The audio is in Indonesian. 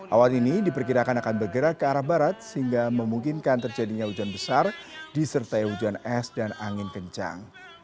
awan ini diperkirakan akan bergerak ke arah barat sehingga memungkinkan terjadinya hujan besar disertai hujan es dan angin kencang